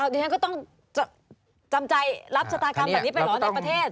ดิฉันก็ต้องจำใจรับชะตากรรมแบบนี้ไปเหรอในประเทศ